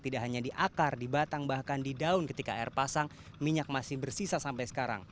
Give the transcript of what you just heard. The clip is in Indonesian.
tidak hanya di akar di batang bahkan di daun ketika air pasang minyak masih bersisa sampai sekarang